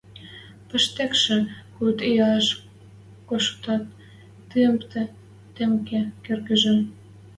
Паштекшӹ куд иӓш Кошутат тьыпке кыргыжы.